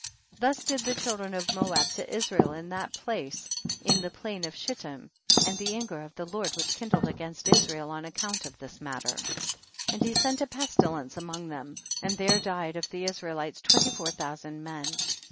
Thus did the children of Moab to Israel in that place, in the plain of Shittim, and the anger of the Lord was kindled against Israel on account of this matter, and he sent a pesti lence amongst them, and there died of the Israelites twenty four thousand men.